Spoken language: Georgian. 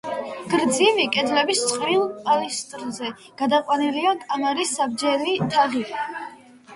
გრძივი კედლების წყვილ პილასტრზე გადაყვანილია კამარის საბჯენი თაღი.